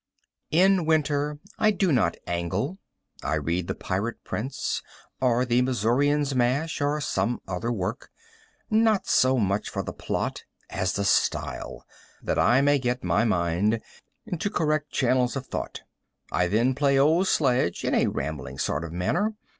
In winter I do not angle. I read the "Pirate Prince" or the "Missourian's Mash," or some other work, not so much for the plot as the style, that I may get my mind into correct channels of thought I then play "old sledge" in a rambling sort of manner.